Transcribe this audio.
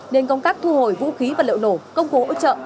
nên công tác thu hồi vũ khí và liệu nổ công cụ ủi trợ